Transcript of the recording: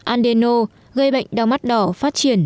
andeno gây bệnh đau mắt đỏ phát triển